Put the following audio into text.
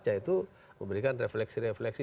yaitu memberikan refleksi refleksi